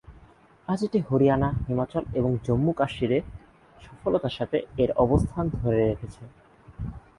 আজ এটি হরিয়ানা, হিমাচল এবং জম্মু কাশ্মীরে সফলতার সাথে এর অবস্থান ধরে রেখেছে।